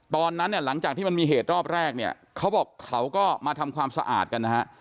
ตอนนั้นเนี่ยหลังจากที่มันมีเหตุรอบแรกเนี่ยเขาบอกเขาก็มาทำความสะอาดกันนะฮะ